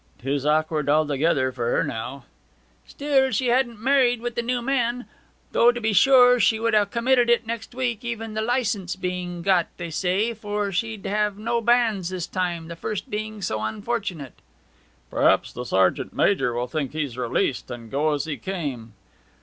''Tis awkward, altogether, for her now.' 'Still she hadn't married wi' the new man. Though to be sure she would have committed it next week, even the licence being got, they say, for she'd have no banns this time, the first being so unfortunate.' 'Perhaps the sergeant major will think he's released, and go as he came.'